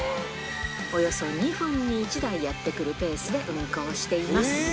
およそ２分に１台やって来るペースで運行しています。